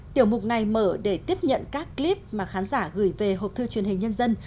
tiểu mục này mở để tiếp nhận các clip mà khán giả gửi về học thư truyền hình nhân dân